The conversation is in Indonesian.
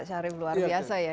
pak sharif luar biasa ya